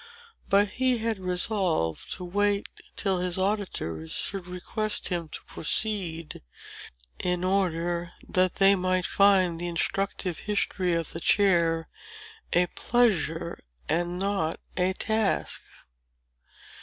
But he had resolved to wait till his auditors should request him to proceed, in order that they might find the instructive history of the chair a pleasure, and not a task.